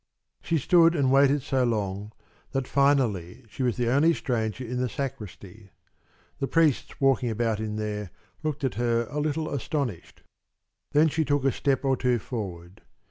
She stood and waited so long that finally she was the only stranger in the sacristy. The priests walking about in there looked at her a little astonished. Then she took a step or two forward.